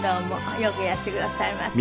よくいらしてくださいました。